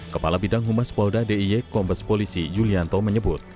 kepala bidang humas polda diy kombes polisi yulianto menyebut